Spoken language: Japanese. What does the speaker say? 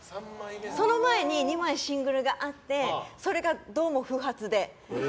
その前に２枚シングルがあってそれがどうも不発で。